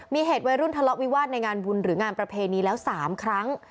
มีเหตุวัยรุ่นทะเลาะวิวาสในงานบุญหรืองานประเพณีแล้ว๓ครั้ง